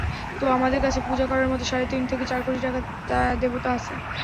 তো আমাদের কাছে পূজা করার মতো সাড়ে তিন থেকে চার কোটি দেবতা আছে।